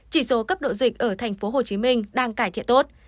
chỉ số cấp độ dịch ở tp hcm đang cải thiện tốt